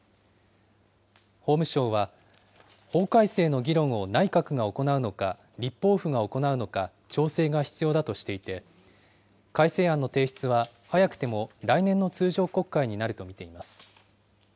法務省は、法改正の議論を内閣が行うのか立法府が行うのか、調整が必要だとしていて、改正案の提出は早くても来年の通常国会になると見ています。